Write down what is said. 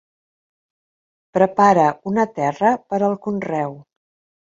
Prepara una terra per al conreu.